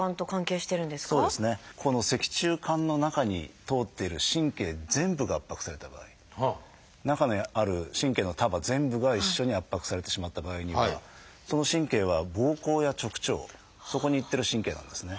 ここの脊柱管の中に通っている神経全部が圧迫された場合中にある神経の束全部が一緒に圧迫されてしまった場合にはその神経はぼうこうや直腸そこに行ってる神経なんですね。